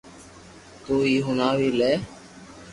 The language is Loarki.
تو ھي ھڻاو وي لي